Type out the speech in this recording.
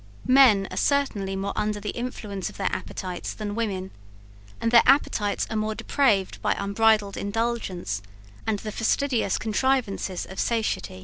Men are certainly more under the influence of their appetites than women; and their appetites are more depraved by unbridled indulgence, and the fastidious contrivances of satiety.